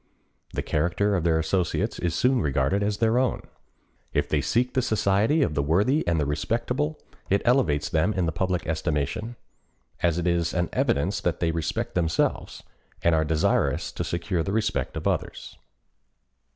The character of their associates is soon regarded as their own. If they seek the society of the worthy and the respectable, it elevates them in the public estimation, as it is an evidence that they respect themselves, and are desirous to secure the respect of others.